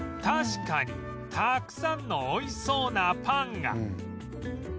確かにたくさんのおいしそうなパンが